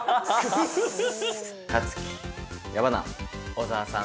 小沢さん。